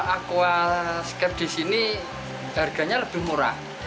aquascape di sini harganya lebih murah